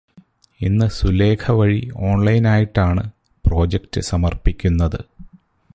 ഇന്ന് സുലേഖ വഴി ഓൺലൈനായിട്ടാണ് പ്രോജക്റ്റ് സമർപ്പിക്കുന്നത്.